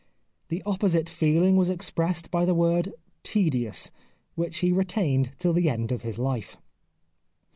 The opposite feehng was expressed by the word " tedious," which he retained till the end of his life.